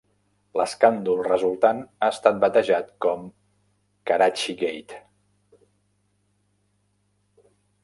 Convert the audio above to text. L'escàndol resultant ha estat batejat com "Karachigate".